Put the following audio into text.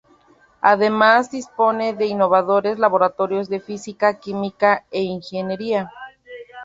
Además dispone de innovadores laboratorios de física, química e ingeniería.